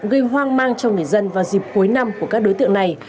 gây hoang mang cho người dân vào dịp cuối năm của các đối tượng này